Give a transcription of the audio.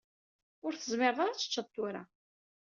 Ur tezmireḍ ara ad teččeḍ tura.